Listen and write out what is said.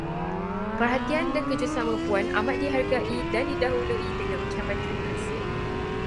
Perhatian dan kerjasama Puan amat dihargai dan didahului dengan ucapan terima kasih.